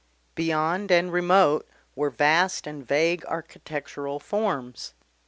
Beyond and remote were vast and vague architectural forms.